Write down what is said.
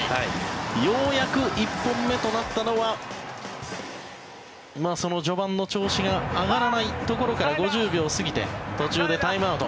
ようやく１本目となったのはその序盤の調子が上がらないところから５０秒過ぎて途中でタイムアウト。